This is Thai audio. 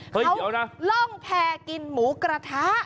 เฮ้ยเดี๋ยวนะเขาล่องแผ่กินหมูกระทะ